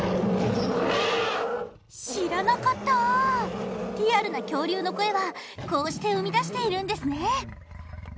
知らなかったリアルな恐竜の声はこうして生みだしているんですね